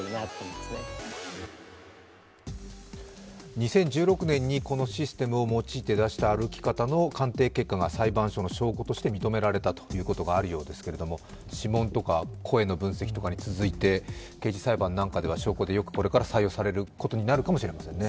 ２０１６年にこのシステムを用いて出した歩き方の鑑定結果が裁判所の証拠として認められたということがあるようですけれども指紋とか声の分析とかに続いて刑事裁判なんかでは証拠でよくこれから採用されることになるかもしれませんね。